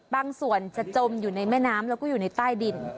บางส่วนจะจมอยู่ในแม่น้ำแล้วก็อยู่ในใต้ดิน